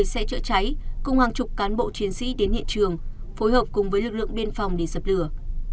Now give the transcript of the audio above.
một xe chữa cháy cùng hàng chục cán bộ chiến sĩ đến hiện trường phối hợp cùng với lực lượng biên phòng để dập lửa